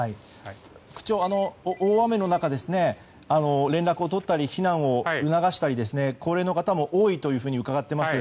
区長、大雨の中連絡を取ったり避難を促したり高齢の方も多いと伺っています。